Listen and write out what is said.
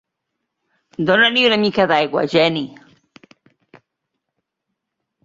Dóna-li una mica d'aigua, Jenny.